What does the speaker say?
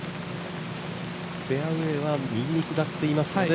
フェアウエーは右に下っていますので。